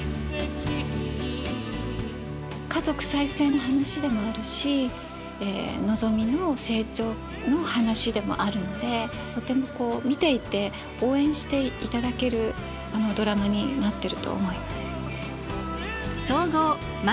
家族再生の話でもあるしのぞみの成長の話でもあるのでとてもこう見ていて応援していただけるドラマになってると思います。